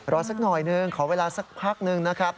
สักหน่อยหนึ่งขอเวลาสักพักหนึ่งนะครับ